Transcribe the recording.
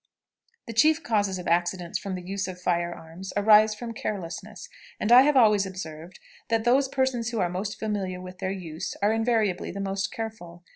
The chief causes of accidents from the use of fire arms arise from carelessness, and I have always observed that those persons who are most familiar with their use are invariably the most careful.